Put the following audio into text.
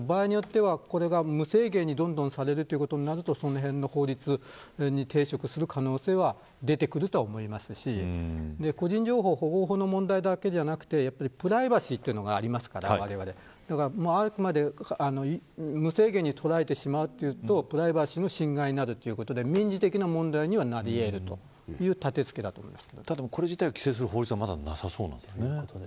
だから場合によってはこれが無制限に、どんどんされるということになるとそのへんの法律に抵触する可能性が出てくると思いますし個人情報保護法の問題だけではなくてプライバシーというのがありますからあくまで、無制限に撮られてしまうと、プライバシーの侵害になるということで民事的な問題には、なり得るという、たてつけだと思います。